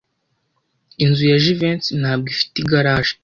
Inzu ya Jivency ntabwo ifite igaraje.